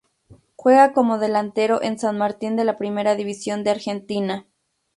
Juega como delantero en San Martín de la Primera División de Argentina.